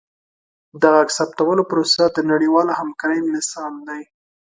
د غږ ثبتولو پروسه د نړیوالې همکارۍ مثال دی.